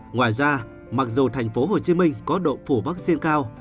ngoài ra mặc dù tp hcm có độ phủ vaccine cao